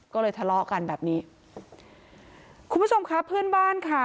ก็เลยทะเลาะกันแบบนี้คุณผู้ชมค่ะเพื่อนบ้านค่ะ